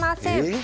え⁉